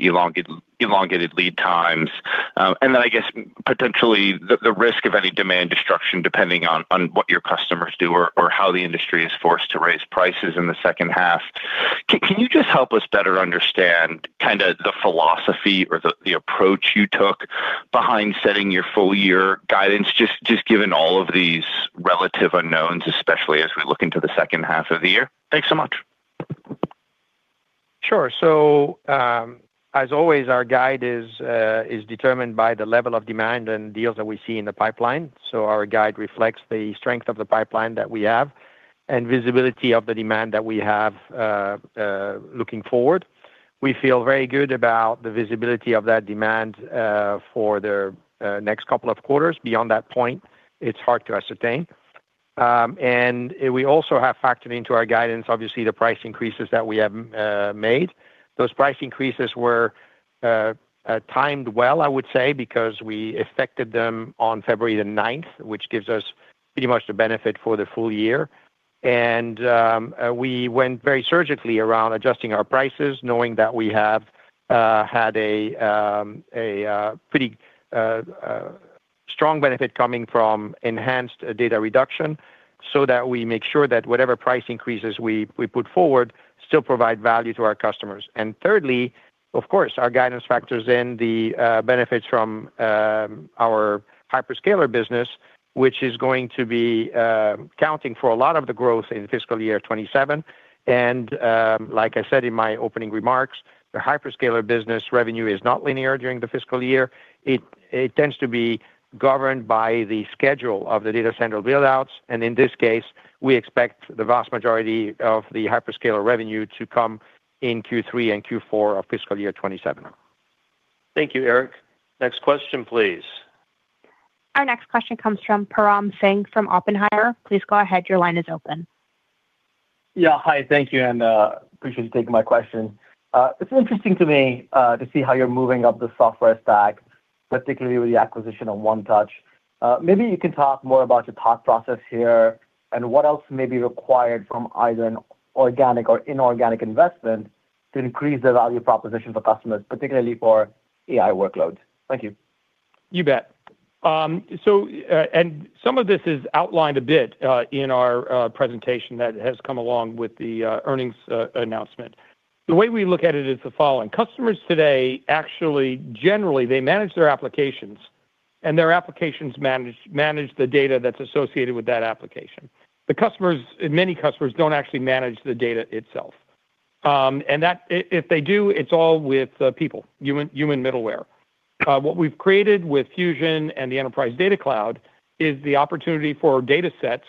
Speaker 14: elongated lead times, and then I guess potentially the risk of any demand destruction, depending on what your customers do or how the industry is forced to raise prices in the second half. Can you just help us better understand kinda the philosophy or the approach you took behind setting your full year guidance, just given all of these relative unknowns, especially as we look into the second half of the year? Thanks so much.
Speaker 4: Sure. As always, our guide is determined by the level of demand and deals that we see in the pipeline. Our guide reflects the strength of the pipeline that we have and visibility of the demand that we have looking forward. We feel very good about the visibility of that demand for the next couple of quarters. Beyond that point, it's hard to ascertain. We also have factored into our guidance, obviously, the price increases that we have made. Those price increases were timed well, I would say, because we affected them on February the 9th, which gives us pretty much the benefit for the full year. We went very surgically around adjusting our prices, knowing that we had a pretty strong benefit coming from enhanced data reduction, so that we make sure that whatever price increases we put forward still provide value to our customers. Thirdly, of course, our guidance factors in the benefits from our hyperscaler business, which is going to be counting for a lot of the growth in fiscal year 2027. Like I said in my opening remarks, the hyperscaler business revenue is not linear during the fiscal year. It tends to be governed by the schedule of the data center build-outs, and in this case, we expect the vast majority of the hyperscaler revenue to come in Q3 and Q4 of fiscal year 2027.
Speaker 2: Thank you, Erik. Next question, please.
Speaker 1: Our next question comes from Param Singh from Oppenheimer. Please go ahead. Your line is open.
Speaker 15: Yeah. Hi, thank you, and, appreciate you taking my question. It's interesting to me, to see how you're moving up the software stack, particularly with the acquisition of 1touch. Maybe you can talk more about your thought process here and what else may be required from either an organic or inorganic investment to increase the value proposition for customers, particularly for AI workloads. Thank you.
Speaker 3: You bet. Some of this is outlined a bit in our presentation that has come along with the earnings announcement. The way we look at it is the following: customers today, actually, generally, they manage their applications, and their applications manage the data that's associated with that application. Many customers don't actually manage the data itself. If they do, it's all with people, human middleware. What we've created with Fusion and the Enterprise Data Cloud is the opportunity for datasets,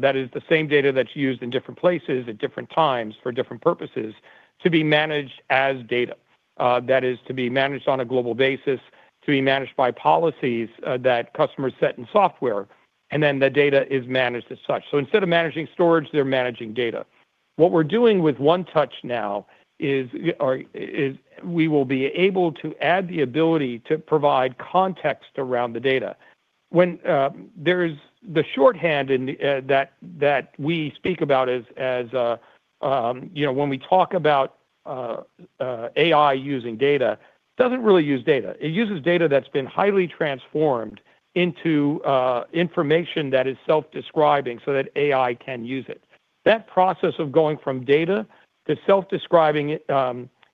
Speaker 3: that is the same data that's used in different places at different times for different purposes, to be managed as data. That is, to be managed on a global basis, to be managed by policies that customers set in software, and then the data is managed as such. Instead of managing storage, they're managing data. What we're doing with 1touch now is, we will be able to add the ability to provide context around the data. The shorthand in the, that we speak about as, you know, when we talk about AI using data, doesn't really use data. It uses data that's been highly transformed into information that is self-describing so that AI can use it. That process of going from data to self-describing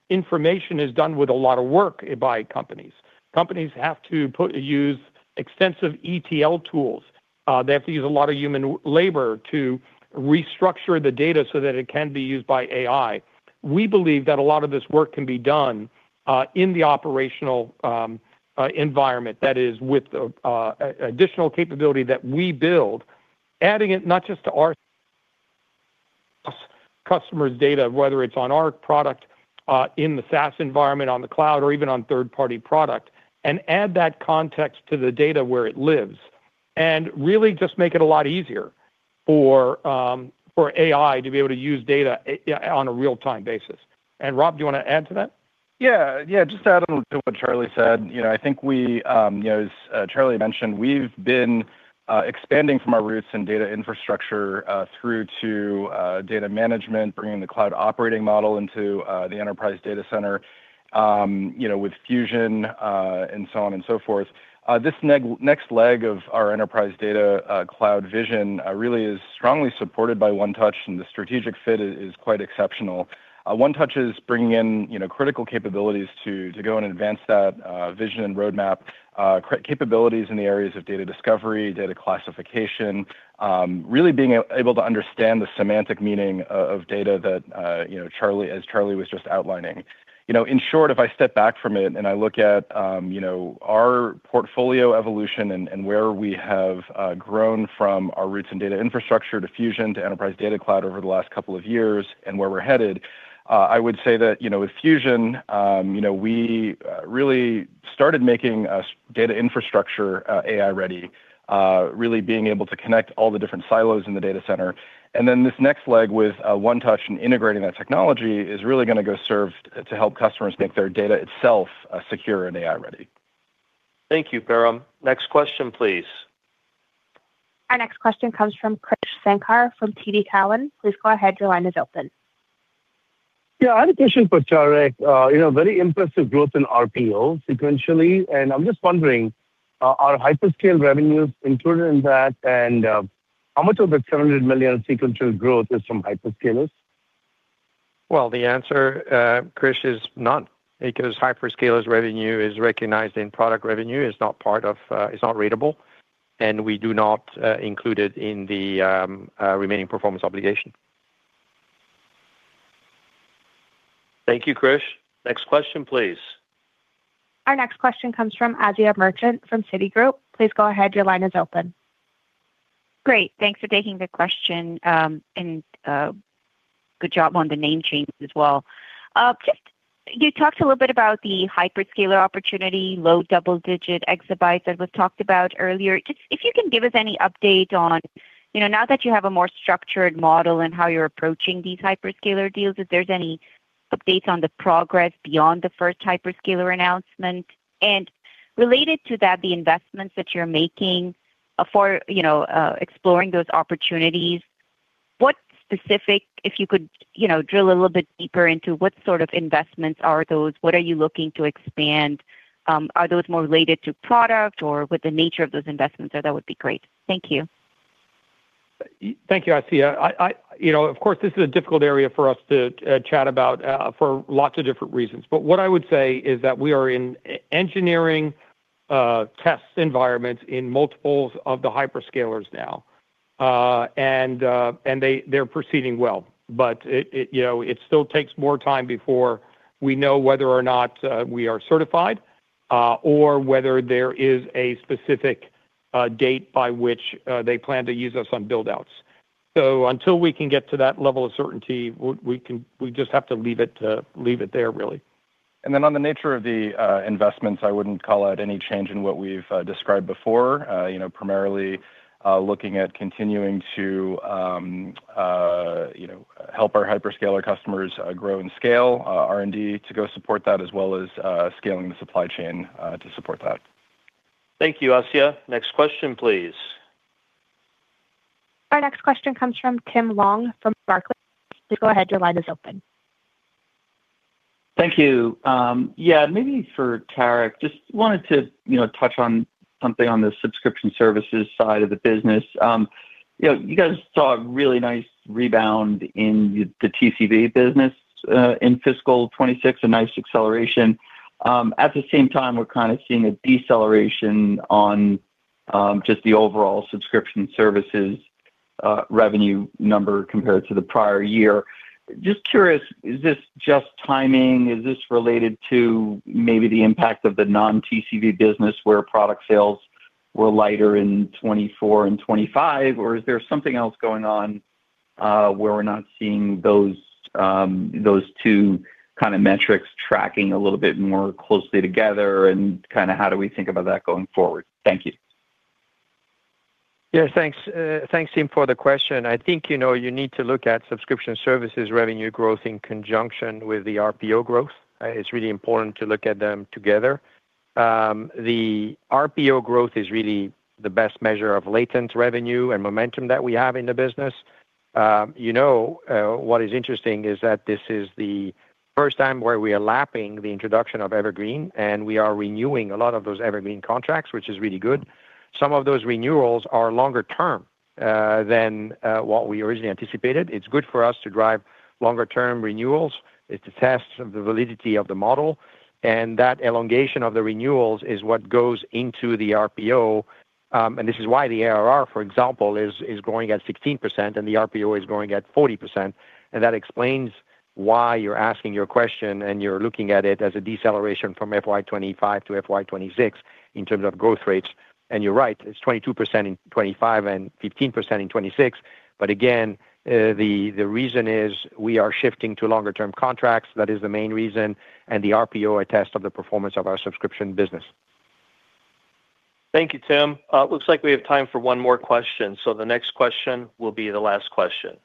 Speaker 3: information is done with a lot of work by companies. Companies have to use extensive ETL tools. They have to use a lot of human labor to restructure the data so that it can be used by AI. We believe that a lot of this work can be done in the operational environment. That is, with the additional capability that we build, adding it not just to our customer's data, whether it's on our product, in the SaaS environment, on the cloud, or even on third-party product, and add that context to the data where it lives, and really just make it a lot easier for AI to be able to use data on a real-time basis. Rob, do you want to add to that?
Speaker 9: Yeah, just to add on to what Charlie said, you know, I think we, you know, as Charlie mentioned, we've been expanding from our roots in data infrastructure, through to data management, bringing the cloud operating model into the enterprise data center, you know, with Fusion, and so on and so forth. This next leg of our Enterprise Data Cloud vision really is strongly supported by 1touch, and the strategic fit is quite exceptional. 1touch is bringing in, you know, critical capabilities to go and advance that vision and roadmap, capabilities in the areas of data discovery, data classification, really being able to understand the semantic meaning of data that, you know, as Charlie was just outlining. You know, in short, if I step back from it and I look at, you know, our portfolio evolution and where we have grown from our roots in data infrastructure to Pure Fusion, to Enterprise Data Cloud over the last couple of years and where we're headed, I would say that, you know, with Pure Fusion, we really started making data infrastructure AI-ready, really being able to connect all the different silos in the data center. Then this next leg with 1touch and integrating that technology is really going to go serve to help customers make their data itself secure and AI-ready.
Speaker 2: Thank you, Param. Next question, please.
Speaker 1: Our next question comes from Krish Sankar from TD Cowen. Please go ahead. Your line is open.
Speaker 16: Yeah, I had a question for Charlie. You know, very impressive growth in RPO sequentially, and I'm just wondering, are hyperscale revenues included in that? How much of the $700 million sequential growth is from hyperscalers?
Speaker 4: Well, the answer, Krish, is none, because hyperscalers' revenue is recognized in product revenue. It's not part of, it's not readable, and we do not include it in the remaining performance obligation.
Speaker 2: Thank you, Krish. Next question, please.
Speaker 1: Our next question comes from Asiya Merchant from Citigroup. Please go ahead. Your line is open.
Speaker 17: Great. Thanks for taking the question, and good job on the name change as well. Just you talked a little bit about the hyperscaler opportunity, low double-digit exabytes that was talked about earlier. Just if you can give us any update on, you know, now that you have a more structured model in how you're approaching these hyperscaler deals, if there's any updates on the progress beyond the first hyperscaler announcement. Related to that, the investments that you're making for, you know, exploring those opportunities, if you could, you know, drill a little bit deeper into what sort of investments are those? What are you looking to expand? Are those more related to product or what the nature of those investments are, that would be great. Thank you.
Speaker 3: Thank you, Asiya. I, you know, of course, this is a difficult area for us to chat about for lots of different reasons. What I would say is that we are in engineering test environments in multiples of the hyperscalers now. And they're proceeding well. It, you know, it still takes more time before we know whether or not we are certified or whether there is a specific date by which they plan to use us on build-outs. Until we can get to that level of certainty, we just have to leave it there, really.
Speaker 9: Then on the nature of the investments, I wouldn't call out any change in what we've described before. You know, primarily, looking at continuing to, you know, help our hyperscaler customers, grow and scale, R&D, to go support that as well as, scaling the supply chain, to support that.
Speaker 2: Thank you, Asiya. Next question, please.
Speaker 1: Our next question comes from Tim Long, from Barclays. Please go ahead. Your line is open.
Speaker 18: Thank you. Yeah, maybe for Tarek. Just wanted to, you know, touch on something on the subscription services side of the business. You know, you guys saw a really nice rebound in the TCV business in fiscal 2026, a nice acceleration. At the same time, we're kind of seeing a deceleration on just the overall subscription services revenue number compared to the prior year. Just curious, is this just timing? Is this related to maybe the impact of the non-TCV business, where product sales were lighter in 2024 and 2025, or is there something else going on, where we're not seeing those two kind of metrics tracking a little bit more closely together? Kind of how do we think about that going forward? Thank you.
Speaker 4: Yeah, thanks, Tim, for the question. I think, you know, you need to look at subscription services revenue growth in conjunction with the RPO growth. It's really important to look at them together. The RPO growth is really the best measure of latent revenue and momentum that we have in the business. You know, what is interesting is that this is the first time where we are lapping the introduction of Evergreen, and we are renewing a lot of those Evergreen contracts, which is really good. Some of those renewals are longer term than what we originally anticipated. It's good for us to drive longer-term renewals. It's a test of the validity of the model, and that elongation of the renewals is what goes into the RPO. This is why the ARR, for example, is growing at 16% and the RPO is growing at 40%, and that explains why you're asking your question and you're looking at it as a deceleration from FY 2025 to FY 2026 in terms of growth rates. You're right, it's 22% in 2025 and 15% in 2026. Again, the reason is we are shifting to longer term contracts. That is the main reason, and the RPO are a test of the performance of our subscription business.
Speaker 2: Thank you, Tim. It looks like we have time for one more question. The next question will be the last question.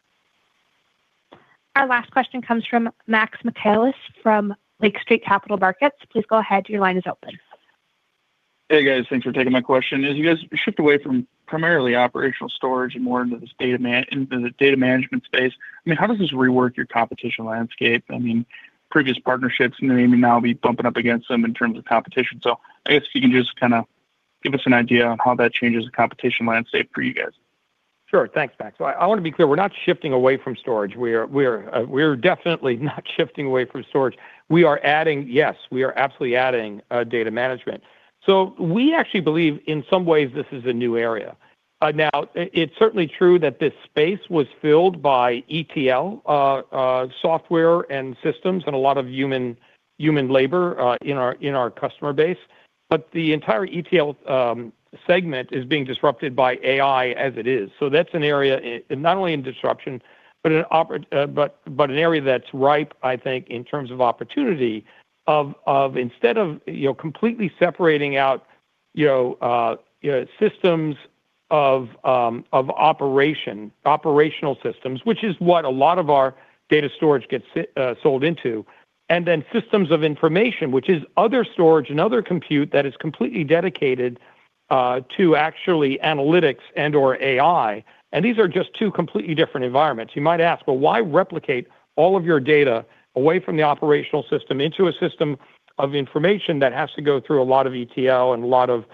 Speaker 1: Our last question comes from Max Michaelis, from Lake Street Capital Markets. Please go ahead. Your line is open.
Speaker 19: Hey, guys. Thanks for taking my question. As you guys shift away from primarily operational storage and more into the data management space, I mean, how does this rework your competition landscape? I mean, previous partnerships, and you may now be bumping up against them in terms of competition. I guess you can just kind of give us an idea on how that changes the competition landscape for you guys.
Speaker 3: Sure. Thanks, Max. I want to be clear, we're not shifting away from storage. We are definitely not shifting away from storage. We are adding. Yes, we are absolutely adding data management. We actually believe in some ways this is a new area. Now, it's certainly true that this space was filled by ETL software and systems and a lot of human labor in our customer base, but the entire ETL segment is being disrupted by AI as it is. That's an area, not only in disruption, but an area that's ripe, I think, in terms of opportunity of instead of, you know, completely separating out, you know, systems of operation, operational systems, which is what a lot of our data storage gets sold into, and then systems of information, which is other storage and other compute that is completely dedicated to actually analytics and/or AI, and these are just two completely different environments. You might ask, "Well, why replicate all of your data away from the operational system into a system of information that has to go through a lot of ETL and a lot of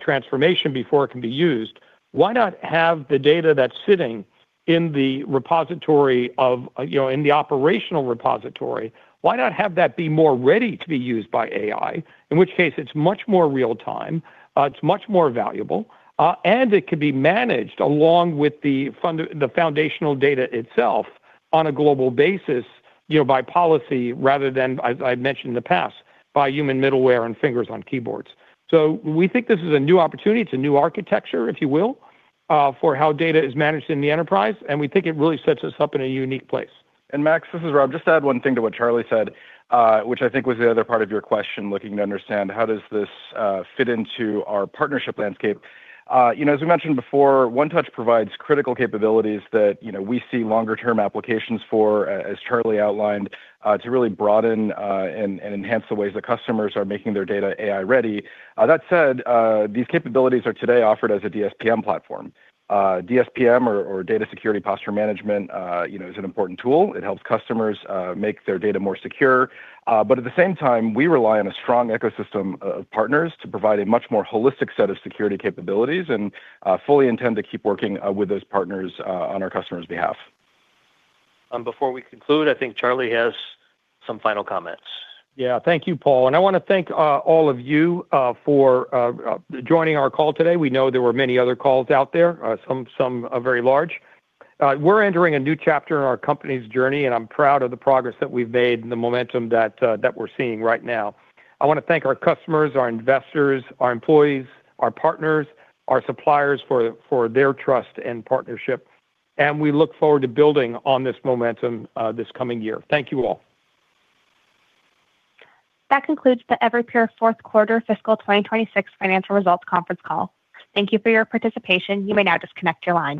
Speaker 3: transformation before it can be used? Why not have the data that's sitting in the repository of, you know, in the operational repository, why not have that be more ready to be used by AI? In which case, it's much more real time, it's much more valuable, and it could be managed along with the foundational data itself on a global basis, you know, by policy, rather than, as I've mentioned in the past, by human middleware and fingers on keyboards. We think this is a new opportunity. It's a new architecture, if you will, for how data is managed in the enterprise, and we think it really sets us up in a unique place.
Speaker 9: Max, this is Rob. Just to add one thing to what Charlie said, which I think was the other part of your question, looking to understand how does this fit into our partnership landscape. You know, as we mentioned before, 1touch provides critical capabilities that, you know, we see longer term applications for, as Charlie outlined, to really broaden and enhance the ways that customers are making their data AI-ready. That said, these capabilities are today offered as a DSPM platform. DSPM or data security posture management, you know, is an important tool. It helps customers make their data more secure. At the same time, we rely on a strong ecosystem of partners to provide a much more holistic set of security capabilities, and fully intend to keep working with those partners on our customers' behalf.
Speaker 2: Before we conclude, I think Charlie has some final comments.
Speaker 3: Yeah. Thank you, Paul. I want to thank all of you for joining our call today. We know there were many other calls out there, some are very large. We're entering a new chapter in our company's journey. I'm proud of the progress that we've made and the momentum that we're seeing right now. I want to thank our customers, our investors, our employees, our partners, our suppliers for their trust and partnership. We look forward to building on this momentum this coming year. Thank you, all.
Speaker 1: That concludes the Everpure Fourth Quarter Fiscal 2026 Financial Results Conference Call. Thank you for your participation. You may now disconnect your line.